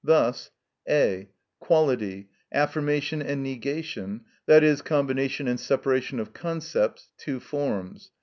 Thus:— (a.) Quality: affirmation and negation, i.e., combination and separation of concepts: two forms.